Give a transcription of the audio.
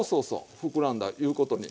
膨らんだいうことに。